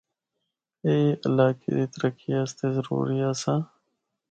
اے علاقے دی ترقی آسطے ضروری آسا۔